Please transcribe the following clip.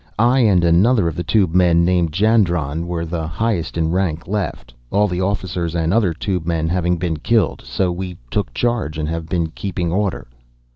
I and another of the tube men, named Jandron, were the highest in rank left, all the officers and other tube men having been killed, so we took charge and have been keeping order."